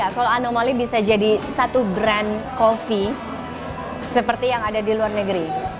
kalau anomali bisa jadi satu brand coffee seperti yang ada di luar negeri